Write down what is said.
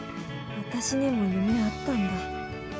私にも夢あったんだ。